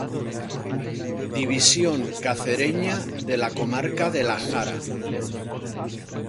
División cacereña de la comarca de La Jara.